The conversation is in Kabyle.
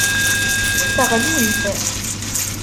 Teɣlimt.